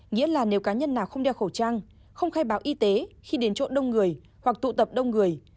nghĩa là nếu cá nhân nào không đeo khẩu trang không khai báo y tế khi đến chỗ đông người hoặc tụ tập đông người